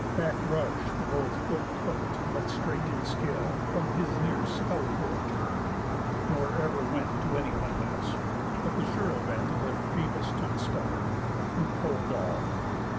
Back rush'd the both foot cook'd, but straight in skill, From his near scout hole turn'd, nor ever went To any Lemnos, but the sure event Left Phœbus to discover, who told all.